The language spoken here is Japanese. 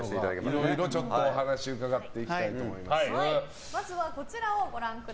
いろいろ、お話を伺っていきたいと思います。